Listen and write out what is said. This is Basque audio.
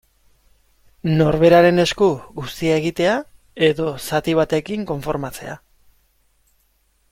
Norberaren esku guztia egitea, edo zati batekin konformatzea.